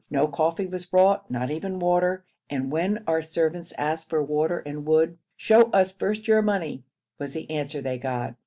No coffee was brought, not even water, and when our servants asked for water and wood 'Show us first your money' was the answer they got.